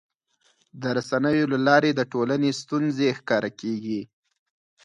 د رسنیو له لارې د ټولنې ستونزې ښکاره کېږي.